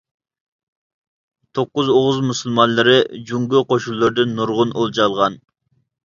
توققۇز ئوغۇز مۇسۇلمانلىرى جۇڭگو قوشۇنلىرىدىن نۇرغۇن ئولجا ئالغان.